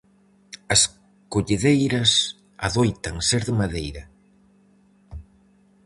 As colledeiras adoitan ser de madeira.